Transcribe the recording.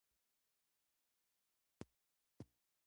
استبداد او اختناق پردۍ پروژې دي.